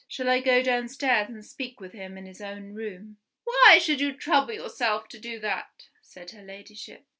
"Shall I go downstairs and speak with him in his own room?" "Why should you trouble yourself to do that?" said her Ladyship.